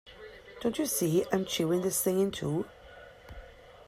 Don't you see, I'm chewing this thing in two.